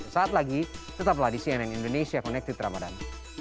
saat lagi tetaplah di cnn indonesia konektif ramadhan